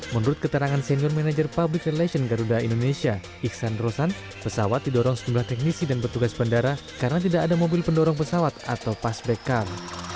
menurut keterangan senior manager public relation garuda indonesia iksan rosan pesawat didorong sejumlah teknisi dan petugas bandara karena tidak ada mobil pendorong pesawat atau pasback camp